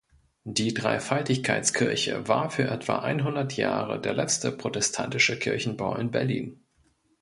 Die Dreifaltigkeitskirche war für etwa einhundert Jahre der letzte protestantische Kirchenbau in Berlin.